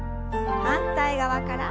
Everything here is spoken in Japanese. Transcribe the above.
反対側から。